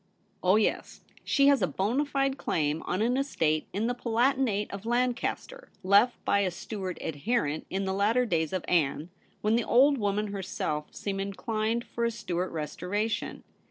' Oh yes ; she has a do7id fide claim on an estate in the palatinate of Lancaster, left by a Stuart adherent in the latter days of Anne, 'ABOUT CHAMPION ?' 147 when the old woman herself seemed inclined for a Stuart restoration.